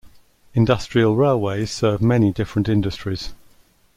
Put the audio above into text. Industrial railways serve many different industries.